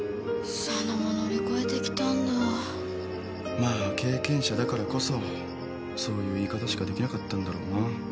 まあ経験者だからこそそういう言い方しかできなかったんだろうな。